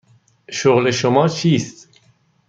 شغل شما چیست؟